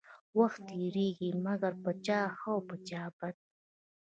وخت تيريږي مګر په چا ښه او په چا بد.